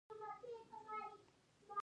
هند فضا ته سپوږمکۍ واستولې.